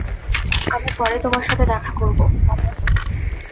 আমি পরে তোমার সাথে দেখা করব, বাবা।